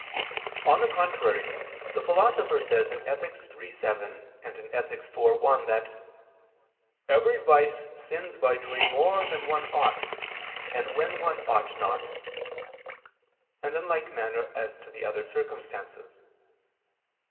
On the contrary, The Philosopher says (Ethic. iii, 7; iv, 1) that "every vice sins by doing more than one ought, and when one ought not"; and in like manner as to the other circumstances.